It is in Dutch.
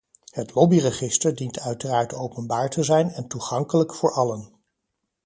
Het lobbyregister dient uiteraard openbaar te zijn en toegankelijk voor allen.